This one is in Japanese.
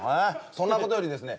そんなことよりですね